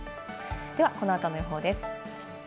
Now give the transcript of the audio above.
ではこの後の予報です。